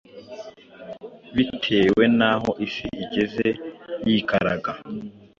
bitewe n’aho isi igeze yikaraga.